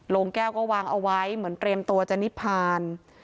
โรงแก้วก็วางเอาไว้เหมือนเตรียมตัวจรรยภาณ